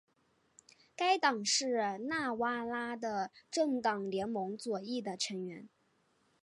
该党是纳瓦拉的政党联盟左翼的成员。